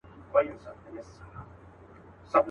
د اوبو زور یې په ژوند نه وو لیدلی.